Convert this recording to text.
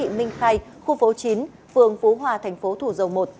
huyện minh khay khu phố chín phường phú hòa tp thủ dầu một